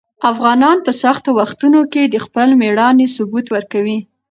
افغانان په سختو وختونو کې د خپل مېړانې ثبوت ورکوي.